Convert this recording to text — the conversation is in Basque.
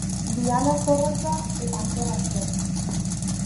Diana zorrotza eta ankerra zen.